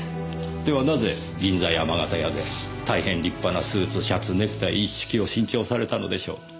ではなぜ銀座山形屋で大変立派なスーツシャツネクタイ一式を新調されたのでしょう？